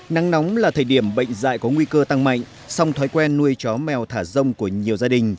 nắng nóng là thời điểm bệnh dạy có nguy cơ tăng mạnh song thói quen nuôi chó mèo thả rông của nhiều gia đình